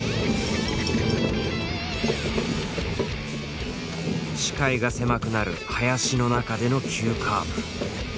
視界が狭くなる林の中での急カーブ。